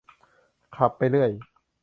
ขับไปเรื่อย